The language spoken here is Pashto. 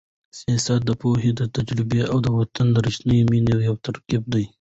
سیاست د پوهې، تجربې او د وطن د رښتینې مینې یو ترکیب دی.